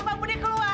pak budi keluar